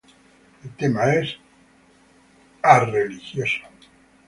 El tema es religioso.